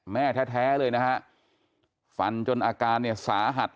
แม่แท้เลยนะฮะฟันจนอาการเนี่ยสาหัส